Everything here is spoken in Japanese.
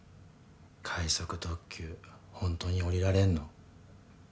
快速特急ホントに降りられんの？